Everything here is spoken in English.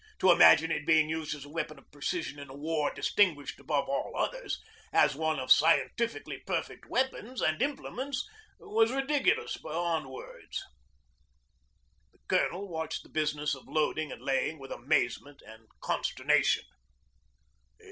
To imagine it being used as a weapon of precision in a war distinguished above all others as one of scientifically perfect weapons and implements was ridiculous beyond words. The Colonel watched the business of loading and laying with amazement and consternation.